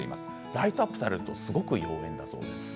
ライトアップされるとすごくいいんだそうです。